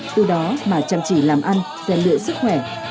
từ đó mà chăm chỉ làm ăn xem lựa sức khỏe